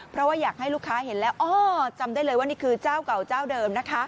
เพราะว่าอยากให้ลูกค้าเห็นแล้วอ้อจำได้เลยว่านี่คือเจ้าเก่าเจ้าเดิมนะคะ